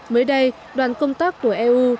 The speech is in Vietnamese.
mới đây đoàn công tác của eu